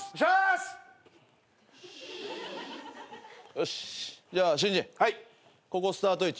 よしじゃあ新人ここスタート位置。